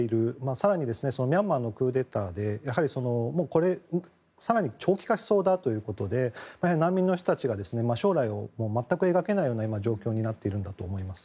更にミャンマーのクーデターでそれが更に長期化しそうだということで難民の人たちが将来を全く描けないような状況になっているんだと思います。